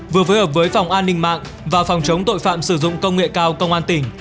vừa phối hợp với phòng an ninh mạng và phòng chống tội phạm sử dụng công nghệ cao công an tỉnh